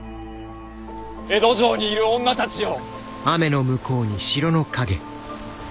江戸城にいる女たちよ。